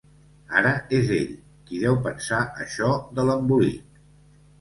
Ara és ell, qui deu pensar això de l'embolic.